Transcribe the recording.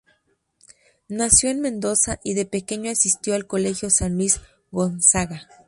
Nació en Mendoza y de pequeño asistió al "Colegio San Luis Gonzaga".